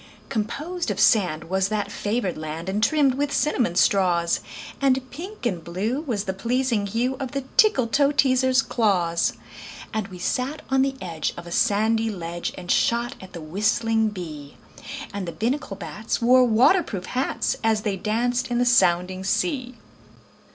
Composed of sand was that favored land, And trimmed with cinnamon straws; And pink and blue was the pleasing hue Of the Tickletoeteaser's claws. And we sat on the edge of a sandy ledge And shot at the whistling bee; And the Binnacle bats wore water proof hats As they danced in the sounding sea.